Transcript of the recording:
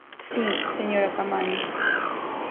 Si, señora Caamaño.